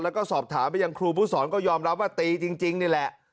แล้วก็สอบถามไปยังครูผู้สอนก็ยอมรับว่าตีจริงนี่แหละ